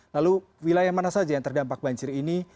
lalu wilayah mana saja yang terdampak banjir ini